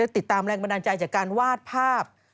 ติดตามแรงบันดาลใจจากการวาดภาพ